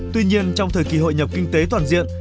tuy nhiên trong thời kỳ hội nhập kinh tế toàn diện